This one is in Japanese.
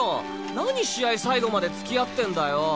なに試合最後まで付き合ってんだよ。